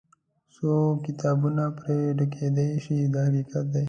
څو کتابونه پرې ډکېدای شي دا حقیقت دی.